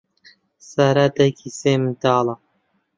سارا دایکی سێ منداڵە.